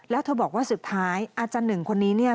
แล้วเธอบอกว่าสุดท้ายอาจารย์หนึ่งคนนี้เนี่ย